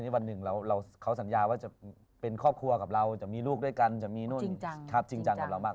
วันหนึ่งเขาสัญญาว่าจะเป็นครอบครัวกับเราจะมีลูกด้วยกันจะมีนู่นครับจริงจังกับเรามาก